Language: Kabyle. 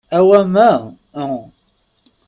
Awamma en!